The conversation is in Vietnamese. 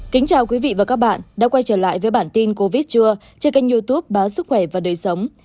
kính chào quý vị và các bạn đã quay trở lại với bản tin covid trưa trên kênh youtube báo sức khỏe và đời sống